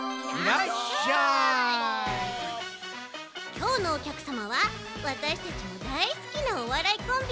きょうのおきゃくさまはわたしたちもだいすきなおわらいコンビ